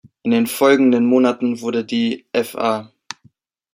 In den folgenden Monaten wurde die „Fa.